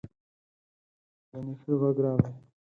د نيکه غږ راغی: